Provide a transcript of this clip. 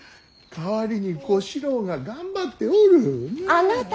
代わりに小四郎が頑張っておる。